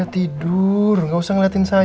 aku mau ikut sama dia